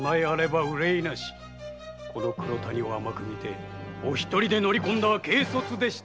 この黒谷を甘く見てお一人で乗り込んだは軽率でしたな。